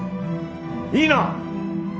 いいな！？